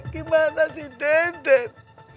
gimana sih den